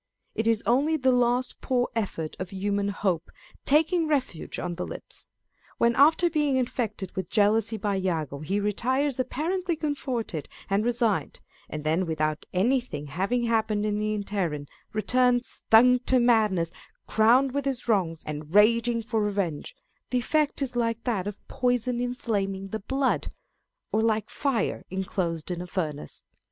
It is only the last poor effort of human hope, taking refuge on the lips. When after being infected with jealousy by lago, he retires apparently comforted and resigned, and then without any thing having happened in the interim, returns stung to madness, crowned with his wrongs, and raging for revenge, the effect is like that of poison inflaming the blood, or like fire inclosed in a furnace.